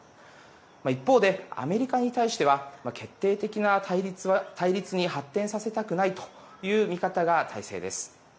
一方で、アメリカに対しては決定的な対立に発展させたくないという見方が大勢です。